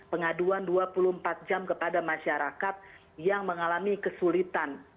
pengaduan dua puluh empat jam kepada masyarakat yang mengalami kesulitan